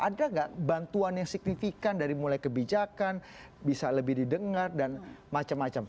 ada nggak bantuan yang signifikan dari mulai kebijakan bisa lebih didengar dan macam macam